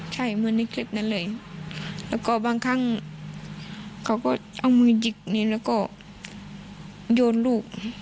ใช่มันในคลิปนั้นเลยแต่พอบางครั้งเขาก็เอามือยิกหนึ่งแล้วก็โยนลูก